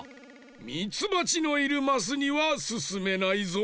ミツバチのいるマスにはすすめないぞ。